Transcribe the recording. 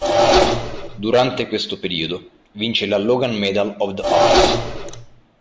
Durante questo periodo vince la Logan Medal of the arts.